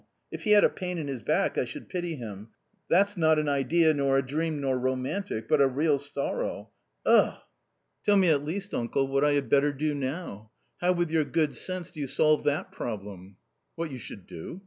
If he had a pain in his back, I should pity him ; that not an idea, nor a dream, nor romantic, but a real sorrow .... Ugh !"" Tell me, at least, uncle, what I had better do now ? How with your good sense do you solve that problem ?"" What_y_ou should do